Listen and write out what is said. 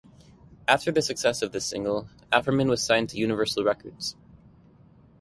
After the success of this single, Afroman was signed to Universal Records.